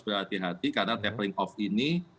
berhati hati karena tapering off ini